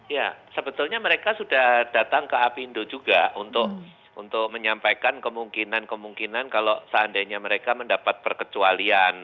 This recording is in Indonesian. ya sebetulnya mereka sudah datang ke apindo juga untuk menyampaikan kemungkinan kemungkinan kalau seandainya mereka mendapat perkecualian